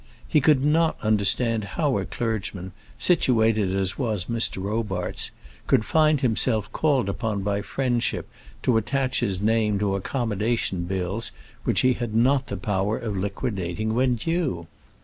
He could not understand how a clergyman, situated as was Mr. Robarts, could find himself called upon by friendship to attach his name to accommodation bills which he had not the power of liquidating when due!